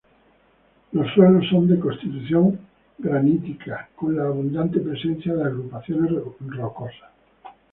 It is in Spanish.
Los suelos son de constitución granítica, con la abundante presencia de agrupaciones rocosas.